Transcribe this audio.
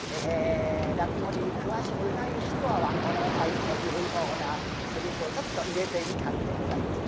落語に詳しくない人は分からないというようなセリフをちょっと入れてみたんでございます。